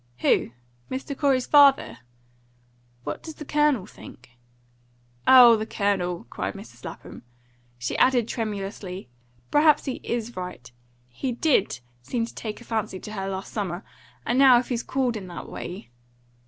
"Who? Mr. Corey's father? What does the Colonel think?" "Oh, the Colonel!" cried Mrs. Lapham. She added tremulously: "Perhaps he IS right. He DID seem to take a fancy to her last summer, and now if he's called in that way